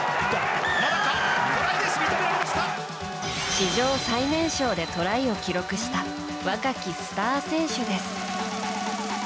史上最年少でトライを記録した若きスター選手です。